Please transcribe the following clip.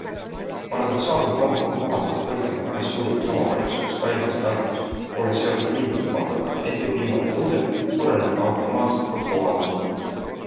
Paradoksaalsel kombel on kohatasu kõrgeim kahes suurimas omavalitsuses Tallinnas ja Tartus, olles seotud miinimumpalgaga, ehk kui viimane tõuseb, suureneb automaatselt ka kohatasu.